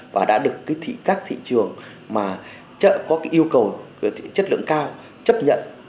và đã được các thị trường có yêu cầu chất lượng cao chấp nhận